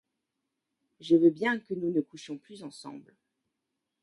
Je veux bien que nous ne couchions plus ensemble.